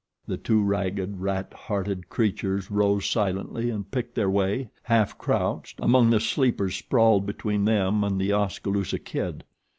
The two ragged, rat hearted creatures rose silently and picked their way, half crouched, among the sleepers sprawled between them and The Oskaloosa Kid.